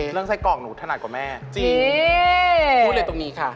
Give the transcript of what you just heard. ไส้กรอกหนูถนัดกว่าแม่จริงพูดเลยตรงนี้ค่ะ